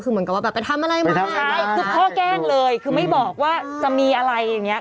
คือพ่อแกล้งเลยคือไม่บอกว่าจะมีอะไรอย่างนี้